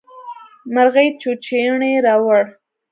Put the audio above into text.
مرغۍ چوچوڼی راووړ.